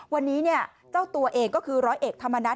วันนี้เจ้าตัวเองก็คือร้อยเอกธรรมนัฐ